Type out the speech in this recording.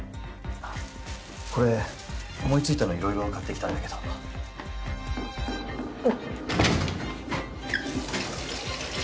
これ思いついたの色々買ってきたんだけどうっ